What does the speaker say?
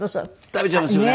食べちゃうんですよね。